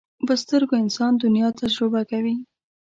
په سترګو انسان دنیا تجربه کوي